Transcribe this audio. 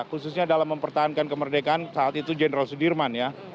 khususnya dalam mempertahankan kemerdekaan saat itu jenderal sudirman ya